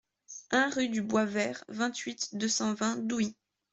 un rue du Bois Bert, vingt-huit, deux cent vingt, Douy